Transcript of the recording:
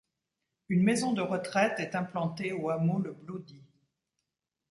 Une maison de retraite est implantée au hameau le Blaudy.